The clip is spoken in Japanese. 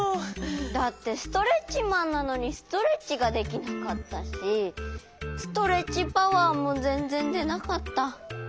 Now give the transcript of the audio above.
だってストレッチマンなのにストレッチができなかったしストレッチパワーもぜんぜんでなかった。